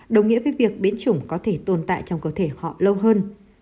đồng nghĩa với việc biến chủng có thể tồn tại trong cơ thể họ lâu hơn